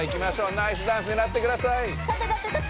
ナイスダンスねらってください！